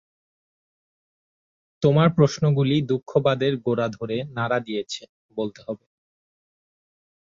তোমার প্রশ্নগুলি দুঃখবাদের গোড়া ধরে নাড়া দিয়েছে, বলতে হবে।